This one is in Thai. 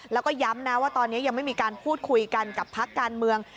แล้วก็ย้ำนะว่าตอนนี้ยังไม่มีการพูดคุยกันกับพักการเมือง